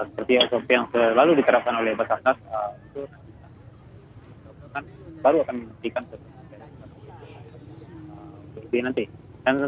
seperti yang selalu diterapkan oleh bersangkat baru akan diberikan kebun